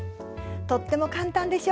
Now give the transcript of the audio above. とっても簡単でしょ？